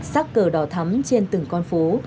xác cờ đỏ thắm trên từng con phố